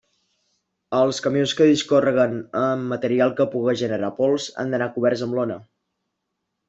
Els camions que discórreguen amb material que puga generar pols han d'anar coberts amb lona.